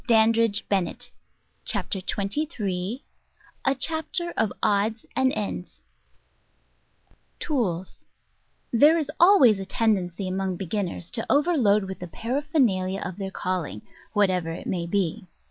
Digitized by Google Chapter TWENTY THREE a Chapter of #tfos an* Cttos TOOLS: There is always a tendency among beginners to overload with the paraphernalia of their calling, what ever it may be.